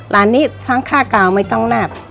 ร้านนี้ทั้งค่ากาวไม่ต้องแนบ